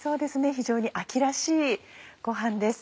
非常に秋らしいご飯です。